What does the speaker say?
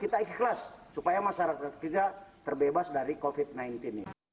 kita ikhlas supaya masyarakat kita terbebas dari covid sembilan belas ini